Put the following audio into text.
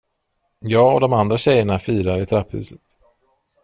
Jag och de andra tjejerna firar i trapphuset.